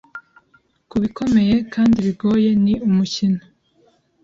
Kubikomeye kandi bigoye ni umukino